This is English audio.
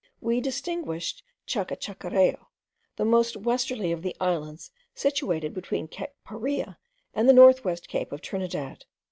We distinguished Chacachacarreo, the most westerly of the islands situated between Cape Paria and the north west cape of Trinidad.